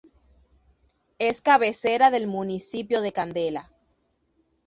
Es cabecera del municipio de Candela.